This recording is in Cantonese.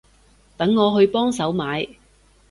等我去幫手買